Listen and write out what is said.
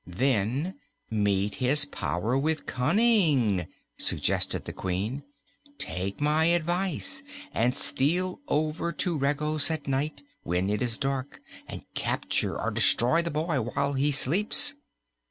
"Then meet his power with cunning," suggested the Queen. "Take my advice, and steal over to Regos at night, when it is dark, and capture or destroy the boy while he sleeps."